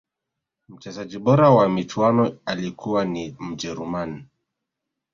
mchezaji bora wa michuano alikuwa ni mjeruman